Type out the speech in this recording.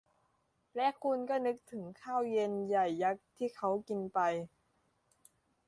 และคุณก็นึกถึงข้าวเย็นใหญ่ยักษ์ที่เค้ากินไป